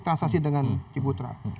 transaksi dengan ciputra